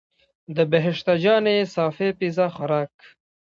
د بهشته جانې صافی پیزا خوراک.